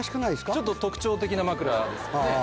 ちょっと特徴的な枕ですね。